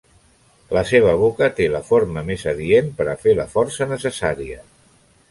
La seva boca té la forma més adient per a fer la força necessària.